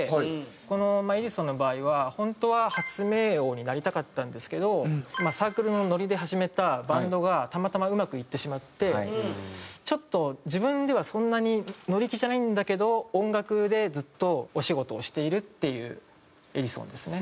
この『エジソン』の場合は本当は発明王になりたかったんですけどサークルのノリで始めたバンドがたまたまうまくいってしまってちょっと自分ではそんなに乗り気じゃないんだけど音楽でずっとお仕事をしているっていうエジソンですね。